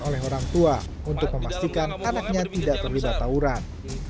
oleh orang tua untuk memastikan anaknya tidak terlibat tawuran